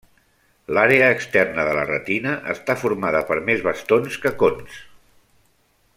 L'àrea externa de la retina està formada per més bastons que cons.